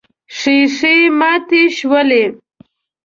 ښيښې ماتې شولې.